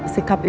sikap ibu andin